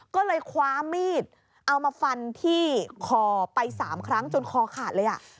ก็เลยคว้ามีดเอามาฟันที่คอไป๓ครั้งจนคอขาดเลยอ่ะ